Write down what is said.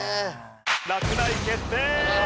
落第決定！